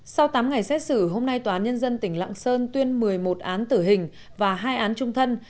sau tám ngày xét xử hôm nay tòa án nhân dân tỉnh lạng sơn tuyên một mươi một án tử hình và hai án trung thân